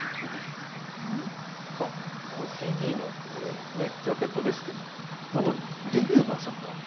ＣＤのジャケットですけれどもなんとデビューなさったと。